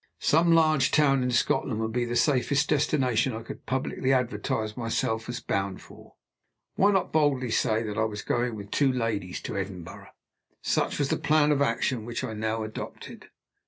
Some large town in Scotland would be the safest destination that I could publicly advertise myself as bound for. Why not boldly say that I was going with the two ladies to Edinburgh? Such was the plan of action which I now adopted.